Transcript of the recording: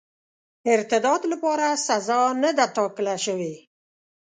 ارتداد لپاره سزا نه ده ټاکله سوې.